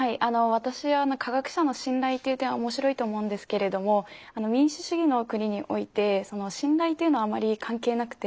私は科学者の信頼っていう点は面白いと思うんですけれども民主主義の国において信頼っていうのはあまり関係なくて。